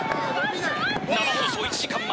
生放送１時間前。